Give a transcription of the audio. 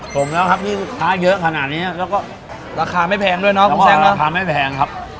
หกแล้วครับที่ขายเยอะขนาดนี้และราคาไม่แพงด้วยนะครับคุณแซม